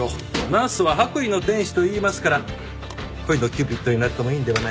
ナースは白衣の天使といいますから恋のキューピッドになってもいいんではないでしょうか？